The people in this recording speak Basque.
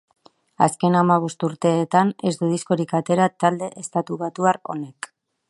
Azken hamabost urteetan ez du diskorik atera talde estatubatuar honek.